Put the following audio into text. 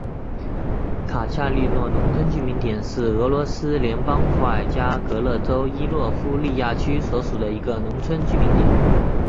卡恰利诺农村居民点是俄罗斯联邦伏尔加格勒州伊洛夫利亚区所属的一个农村居民点。